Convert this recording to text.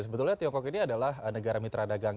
sebetulnya tiongkok ini adalah negara mitra dagang